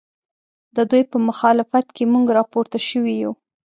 ددوی په مخالفت کې موږ راپورته شوي یو